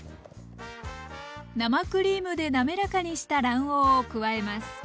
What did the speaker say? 生クリームで滑らかにした卵黄を加えます。